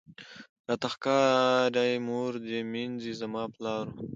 راته ښکاری مور دي مینځه زما د پلار وه